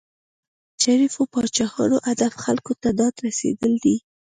د شریفو پاچاهانو هدف خلکو ته داد رسېدل دي.